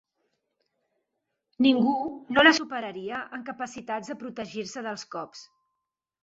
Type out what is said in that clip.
Ningú no la superaria en capacitats de protegir-se dels cops.